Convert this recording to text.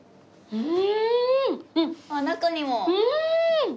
うん！